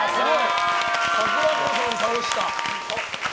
さくらこさん、倒した。